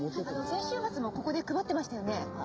先週末もここで配ってましたよね？